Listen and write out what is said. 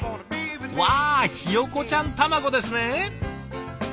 わあひよこちゃん卵ですね！